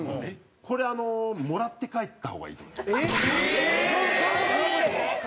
これ、もらって帰った方がいいと思いますね。